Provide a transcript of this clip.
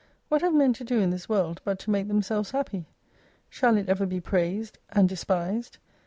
What have men to do in this world, but to make them selves happy ? Shall it ever be praised, and despised